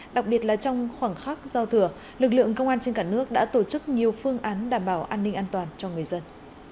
đặc biệt là trong khoảng khắc giao thừa lực lượng công an trên cả nước đã tổ chức nhiều phương án đảm bảo an ninh an toàn cho người dân